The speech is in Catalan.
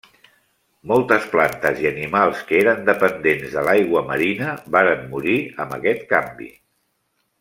Moltes plantes i animals que eren dependents de l'aigua marina varen morir amb aquest canvi.